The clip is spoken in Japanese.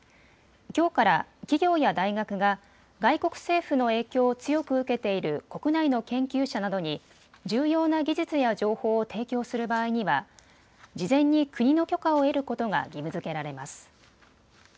きょうから企業や大学が外国政府の影響を強く受けている国内の研究者などに重要な技術や情報を提供する場合には事前に国の許可を得ることが義務づけられます。